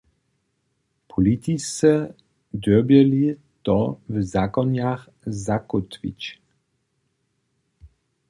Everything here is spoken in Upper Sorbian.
Politisce dyrbjeli to w zakonjach zakótwić.